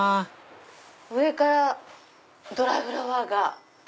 上からドライフラワーが。